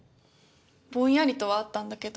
ぼんやりとはあったんだけど